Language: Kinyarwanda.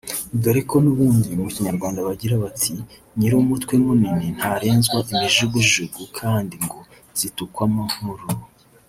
dore ko n’ubundi mu Kinyarwanda bagira bati ‘nyir’umutwe munini ntarenzwa imijugujugu’ kandi ngo ‘zitukwamo nkuru’